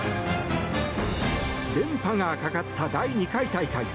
連覇がかかった第２回大会。